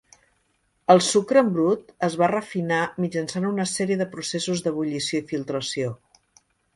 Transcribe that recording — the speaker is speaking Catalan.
El sucre en brut es va refinar mitjançant una sèrie de processos d'ebullició i filtració.